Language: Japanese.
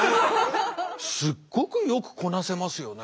すっごくよくこなせますよね。